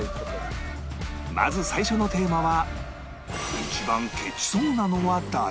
まず最初のテーマは